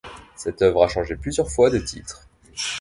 Cette œuvre a changé plusieurs fois de titre.